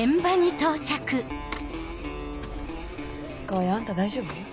川合あんた大丈夫？